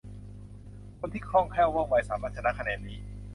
คนที่คล่องแคล่วว่องไวสามารถ ชนะคะแนนนี้